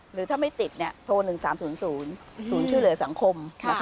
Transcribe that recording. หรือถ้าไม่ติดโทร๑๓๐๐ศูนย์ช่วยเหลือสังคม